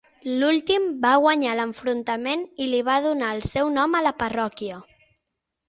L'últim va guanyar l'enfrontament i li va donar el seu nom a la parròquia.